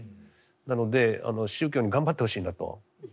なので宗教に頑張ってほしいなと。